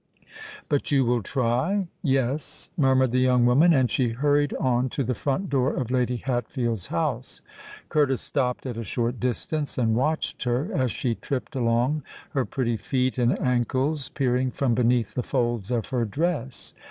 "But you will try?" "Yes," murmured the young woman; and she hurried on to the front door of Lady Hatfield's house. Curtis stopped at a short distance and watched her as she tripped along, her pretty feet and ankles peering from beneath the folds of her dress.